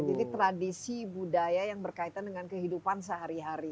jadi tradisi budaya yang berkaitan dengan kehidupan sehari hari